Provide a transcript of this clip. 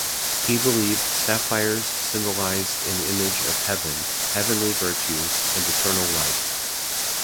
He believed sapphires symbolized an image of heaven, heavenly virtues, and eternal life.